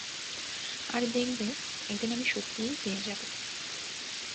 আর দেখবে একদিন আমি সত্যিই পেয়ে যাব।